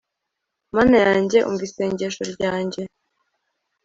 mana yanjye, umva isengesho ryanjye